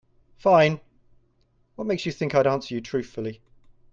Fine, what makes you think I'd answer you truthfully?